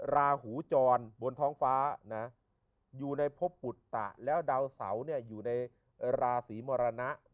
ราหูจรบนท้องฟ้านะอยู่ในพบปุตตะแล้วดาวเสาเนี่ยอยู่ในราศีมรณะ